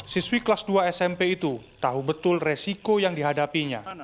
siswi kelas dua smp itu tahu betul resiko yang dihadapinya